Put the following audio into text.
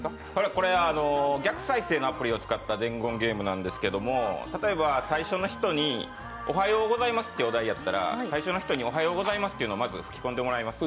これは逆再生のアプリを使った伝言ゲームなんですけど例えば最初の人に「おはようございます」ってお題だったら、最初の人に「おはようございます」とまず吹き込んでもらいます。